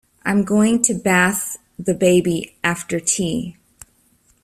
I'm going to bath the baby after tea